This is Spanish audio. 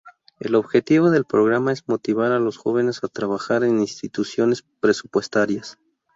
El objetivo del programa es motivar a los jóvenes a trabajar en instituciones presupuestarias.